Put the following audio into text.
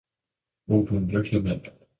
Oh du er en lykkelig mand!